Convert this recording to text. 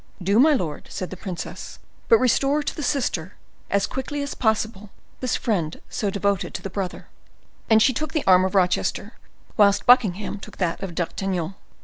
"Do, my lord," said the princess; "but restore to the sister, as quickly as possible, this friend so devoted to the brother." And she took the arm of Rochester, whilst Buckingham took that of D'Artagnan.